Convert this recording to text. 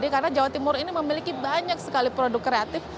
karena jawa timur ini memiliki banyak sekali produk kreatif